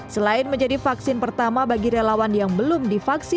selain menjadi vaksin pertama bagi relawan yang belum divaksin